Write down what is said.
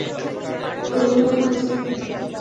তোমার ও ছাড়া এখন আর কেউ নেই।